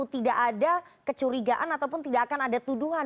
tidak ada kecurigaan ataupun tidak akan ada tuduhan